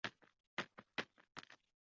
文秀雅为人熟知。